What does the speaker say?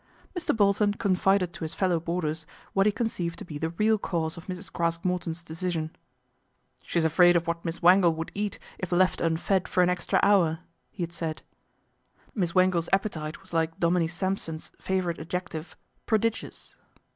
Mr. Bolton confided to his fellow boarders what he conceived to be the real cause of Mrs. Craske Morton's decision. " She's afraid of what Miss Wangle would eat if left unfed for an extra hour," he had said. Miss Wangle's appetite was like Dominie Samp son's favourite adjective, " prodigious."